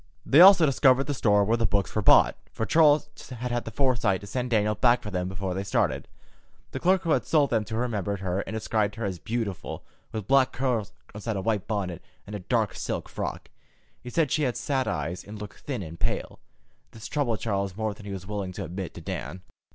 They also discovered the store where the books were bought, for Charles had had the forethought to send Daniel back for them before they started. The clerk who had sold them to her remembered her, and described her as beautiful, with black curls inside a white bonnet, and a dark silk frock. He said she had sad eyes, and looked thin and pale. This troubled Charles more than he was willing to admit to Dan.